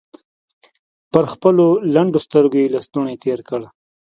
پر خپلو لندو سترګو يې لستوڼۍ تېر کړ.